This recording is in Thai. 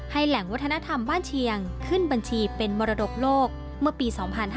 แหล่งวัฒนธรรมบ้านเชียงขึ้นบัญชีเป็นมรดกโลกเมื่อปี๒๕๕๙